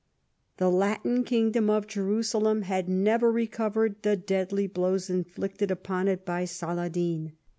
The Latin kingdom of Jerusalem had never recovered the deadly blows inflicted upon it by Saladin.